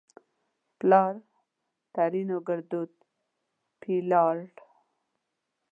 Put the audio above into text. پلار؛ ترينو ګړدود پيار